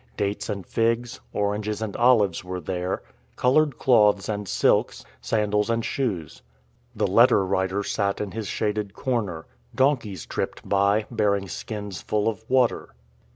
Dates and figs, oranges and olives were there; coloured cloths and silks, sandals and shoes. The letter writer sat in his shaded corner. Donkeys tripped by, bearing skins full of water.